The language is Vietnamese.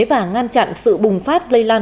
và ngăn chặn sự bùng phát lây lan